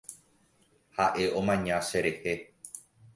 Ha’e omaña cherehe.